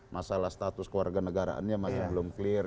masalah status keluarga negaraannya masih belum clear